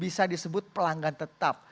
bisa disebut pelanggan tetap